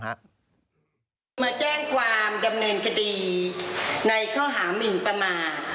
มาแจ้งความดำเนินคดีในข้อหามินประมาท